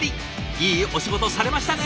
いいお仕事されましたね。